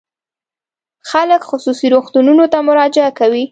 خلک خصوصي روغتونونو ته مراجعه کوي.